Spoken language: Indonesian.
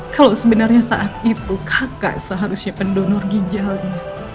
kalau sebenarnya saat itu kakak seharusnya pendonor ginjalnya